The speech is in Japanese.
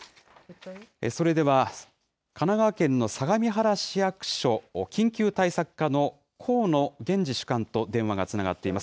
それでは、神奈川県の相模原市役所緊急対策課のこうのげんじ主幹と電話がつながっています。